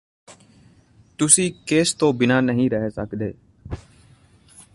ਤੁਸੀਂ ਕਿਸ ਤੋਂ ਬਿਨਾ ਨਹੀਂ ਰਹਿ ਸਕਦੇ